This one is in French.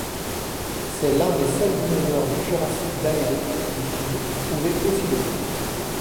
C’est l’un des seuls dinosaures du Jurassique d’Amérique du Sud trouvé aussi loin.